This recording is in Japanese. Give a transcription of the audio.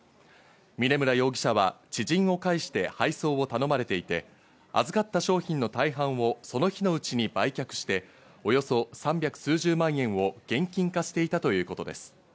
峯村容疑者は知人を介して配送を頼まれていて、預かった商品の大半をその日のうちに売却して、およそ三百数十万円を現金化していたということです。